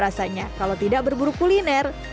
rasanya kalau tidak berburu kuliner